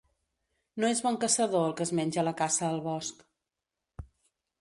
No és bon caçador el que es menja la caça al bosc.